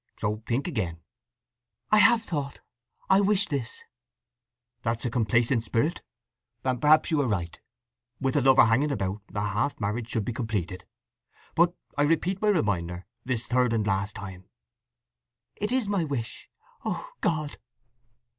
So think again." "I have thought—I wish this!" "That's a complaisant spirit—and perhaps you are right. With a lover hanging about, a half marriage should be completed. But I repeat my reminder this third and last time." "It is my wish! … O God!"